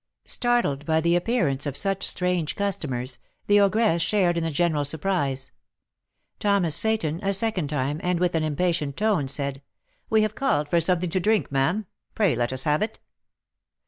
Startled by the appearance of such strange customers, the ogress shared in the general surprise. Thomas Seyton, a second time, and with an impatient tone, said, "We have called for something to drink, ma'am; pray let us have it."